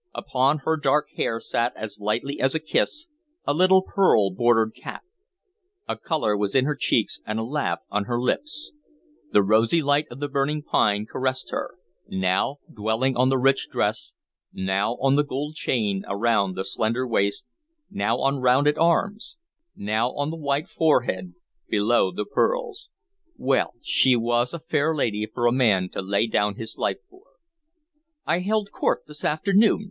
Upon her dark hair sat, as lightly as a kiss, a little pearl bordered cap. A color was in her cheeks and a laugh on her lips. The rosy light of the burning pine caressed her, now dwelling on the rich dress, now on the gold chain around the slender waist, now on rounded arms, now on the white forehead below the pearls. Well, she was a fair lady for a man to lay down his life for. "I held court this afternoon!"